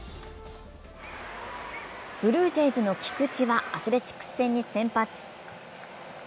ブルージェイズの菊池はアスレチックス戦に先発。